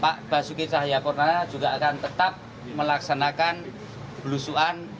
pak basuki cahaya purnama juga akan tetap melaksanakan belusuan